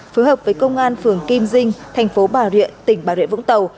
phối hợp với công an phường kim dinh tp bà rịa tỉnh bà rịa vũng tàu